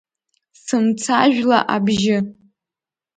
Сымцажәла абжьы…